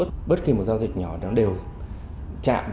sắc thực giao dịch điện tử hay là vấn đề của an ninh